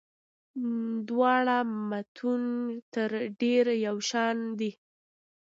دواړه متون تر ډېره یو شان دي.